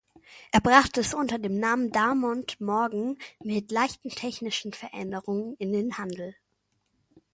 Er brachte es unter dem Namen Darmont-Morgan mit leichten technischen Veränderungen in den Handel.